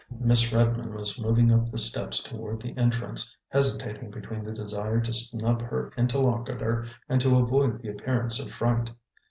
Miss Redmond was moving up the steps toward the entrance, hesitating between the desire to snub her interlocutor and to avoid the appearance of fright.